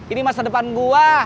ini masa depan gua